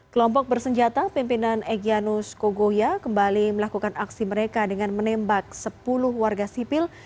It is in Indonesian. kelompok bersenjata pimpinan egyanus kogoya kembali melakukan aksi mereka dengan menembak sepuluh warga sipil